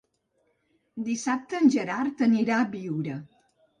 Dissabte en Gerard anirà a Biure.